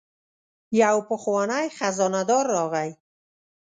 یو پخوانی خزانه دار راغی.